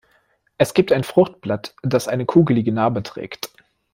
Es gibt ein Fruchtblatt, das eine kugelige Narbe trägt.